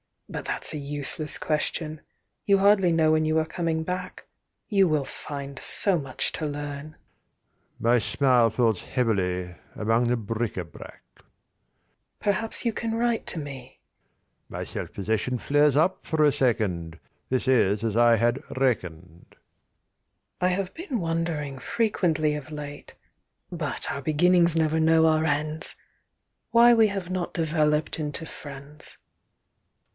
But that's a useless question. You hardly know when you are coming back, You will find so much to learn." My smile falls heavily among the bric à brac. "Perhaps you can write to me." My self possession flares up for a second; This is as I had reckoned. "I have been wondering frequently of late (But our beginnings never know our ends!) Why we have not developed into friends."